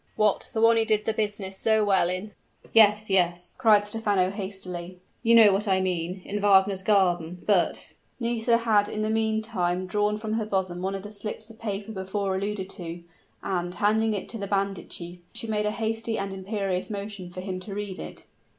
"What, the one who did the business so well in " "Yes, yes," cried Stephano hastily; "you know what I mean in Wagner's garden! But " Nisida had in the meantime drawn from her bosom one of the slips of paper before alluded to; and, handing it to the bandit chief, she made a hasty and imperious motion for him to read it.